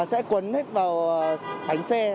sẽ cuốn hết vào bánh xe